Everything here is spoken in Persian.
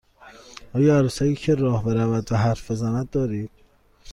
آیا عروسکی که راه برود و حرف بزند دارید؟